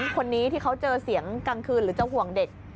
คนนี้ที่เขาเจอเสียงกลางคืนหรือจะห่วงเด็ก